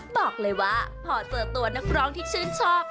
บอกเลยว่าพอเจอตัวนักร้องที่ชื่นชอบ